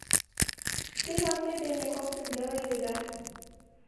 — Те ватет дене коктын веле иледа.